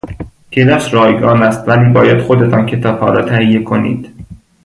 کلاس رایگان است ولی باید خودتان کتابها را تهیه کنید.